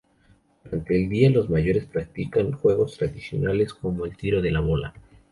Durante el día, los mayores practican juegos tradicionales, como el tiro de la bola.